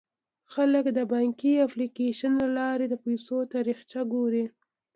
خلک د بانکي اپلیکیشن له لارې د پيسو تاریخچه ګوري.